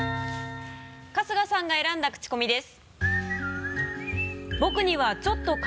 春日さんが選んだクチコミです。